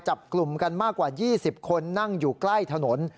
จับกลุ่มกันมากกว่า๒๐คนนั่งอยู่ใกล้ถนน